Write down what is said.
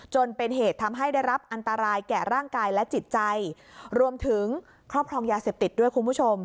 จนเป็นเหตุทำให้ได้รับอันตรายแก่ร่างกายและจิตใจรวมถึงครอบครองยาเสพติดด้วยคุณผู้ชม